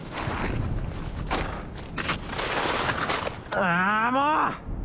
ああもう！